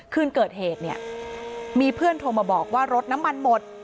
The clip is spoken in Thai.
คืนเกิดเหตุเนี่ยมีเพื่อนโทรมาบอกว่ารถน้ำมันหมด